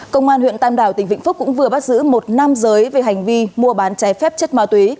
công an huyện tam đảo tỉnh vĩnh phúc cũng vừa bắt giữ một nam giới về hành vi mua bán trái phép chất ma túy